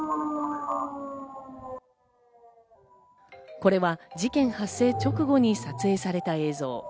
これは事件発生直後に撮影された映像。